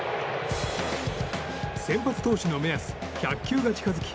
先発投手の目安１００球が近づき